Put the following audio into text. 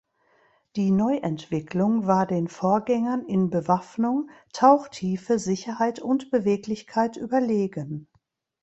Die Neuentwicklung war den Vorgängern in Bewaffnung, Tauchtiefe, Sicherheit und Beweglichkeit überlegen.